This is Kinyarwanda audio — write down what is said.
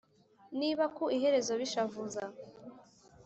Niba ku iherezo bishavuza